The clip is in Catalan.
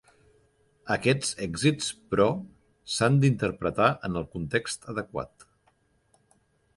Aquests èxits, però, s'han d'interpretar en el context adequat.